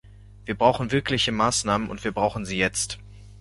Wir brauchen wirkliche Maßnahmen und wir brauchen sie jetzt.